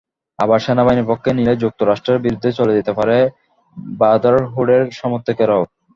আবার সেনাবাহিনীর পক্ষ নিলে যুক্তরাষ্ট্রের বিরুদ্ধে চলে যেতে পারে ব্রাদারহুডের সমর্থকেরাও।